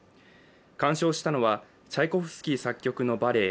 鑑賞したのはチャイコフスキー作曲のバレエ